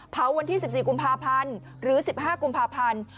วันที่๑๔กุมภาพันธ์หรือ๑๕กุมภาพันธ์